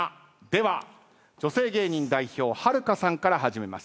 では女性芸人代表はるかさんから始めます。